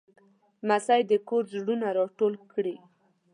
لمسی د کور زړونه راټول کړي.